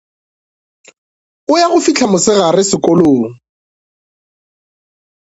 O ya go fihla mosegare sekolong.